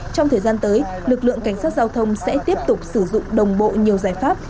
trong thời gian tới lực lượng cảnh sát giao thông sẽ tiếp tục sử dụng đồng bộ nhiều giải pháp